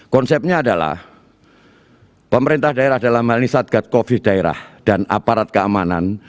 konsepnya adalah pemerintah daerah dalam hal nisadkat covid sembilan belas dan aparat keamanan